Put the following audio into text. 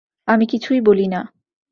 আমি কিছুই বলি না।